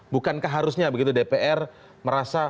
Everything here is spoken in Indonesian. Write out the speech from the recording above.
bukankah harusnya begitu dpr merasa